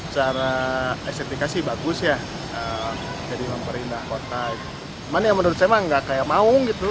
cuman yang menurut saya mah nggak kayak maung gitu